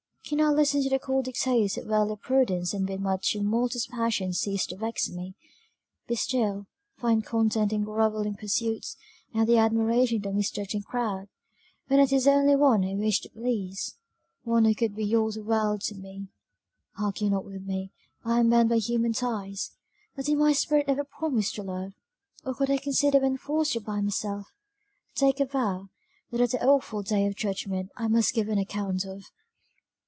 can I listen to the cold dictates of worldly prudence and bid my tumultuous passions cease to vex me, be still, find content in grovelling pursuits, and the admiration of the misjudging crowd, when it is only one I wish to please one who could be all the world to me. Argue not with me, I am bound by human ties; but did my spirit ever promise to love, or could I consider when forced to bind myself to take a vow, that at the awful day of judgment I must give an account of.